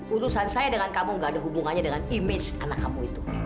urusan saya dengan kamu gak ada hubungannya dengan image anak kamu itu